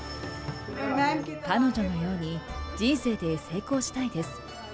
彼女のように、人生で成功したいです。